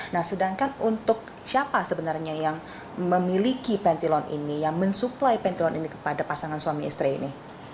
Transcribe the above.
nah sedangkan untuk siapa sebenarnya yang memiliki pentilon ini yang mensuplai pentilon ini kepada pasangan suami istri ini